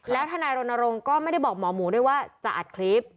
แล้วทนายรณรงค์ก็ไม่ได้บอกหมอหมูด้วยว่าจะอัดคลิป